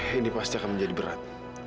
ini pasti akan menjadi berat